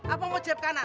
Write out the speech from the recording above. apa mau jab kanan